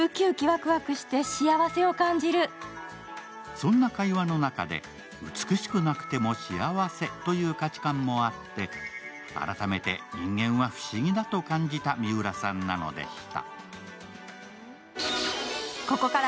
そんな会話の中で美しくなくても幸せという価値観もあって改めて人間は不思議だと感じた三浦さんなのでした。